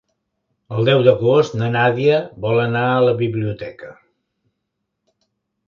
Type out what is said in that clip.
El deu d'agost na Nàdia vol anar a la biblioteca.